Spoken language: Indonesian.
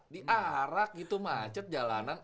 diarak gitu macet jalanan